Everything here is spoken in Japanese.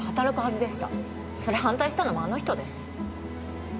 それ反対したのもあの人です。